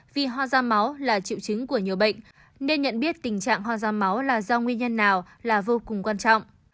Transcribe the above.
vì hoa da máu là triệu chứng của nhiều bệnh nên nhận biết tình trạng hoa da máu là do nguyên nhân nào là vô cùng quan trọng